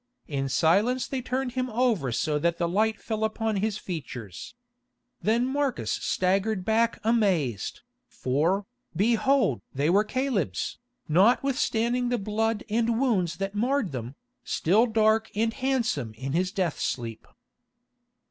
In silence they turned him over so that the light fell upon his features. Then Marcus staggered back amazed, for, behold! they were Caleb's, notwithstanding the blood and wounds that marred them, still dark and handsome in his death sleep.